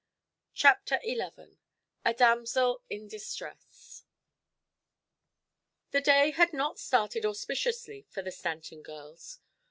CHAPTER XI A DAMSEL IN DISTRESS The day had not started auspiciously for the Stanton sisters.